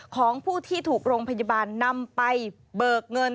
ของผู้ที่ถูกโรงพยาบาลนำไปเบิกเงิน